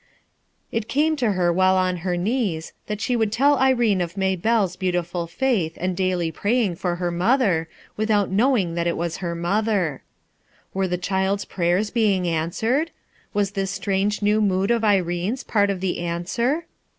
It came to her while on her knees that she would tell Irene of May belle's beautiful faith and daily praying for her mother, without know ing that it was her mother. Were the child's prayers being answered? Was this strange new mood of Irene's part oF the answer?